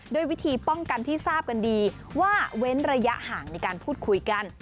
ด้วยวิธีป้องกันที่ทราบกันดีว่าเว้นระยะห่างในการพูดคุยกัน